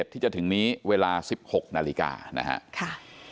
ที่จะถึงนี้เวลา๑๖นาฬิกานะครับ